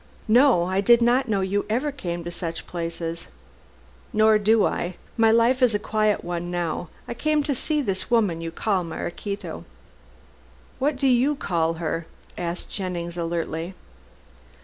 "No. I did not know you ever came to such places." "Nor do I. My life is a quiet one now. I came to see this woman you call Maraquito." "What do you call her?" asked Jennings alertly.